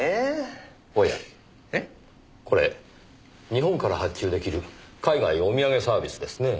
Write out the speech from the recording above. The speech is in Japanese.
おやこれ日本から発注出来る海外お土産サービスですねぇ。